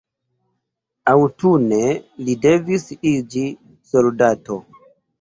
Aŭtune li devis iĝi soldato.